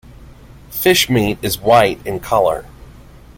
Fish meat is white in color.